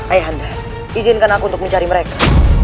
ayah anda izinkan aku untuk mencari mereka